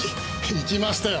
行きましたよ